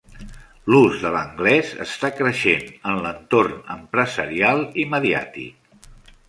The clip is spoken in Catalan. L'ús de l'anglès està creixent en l'entorn empresarial i mediàtic.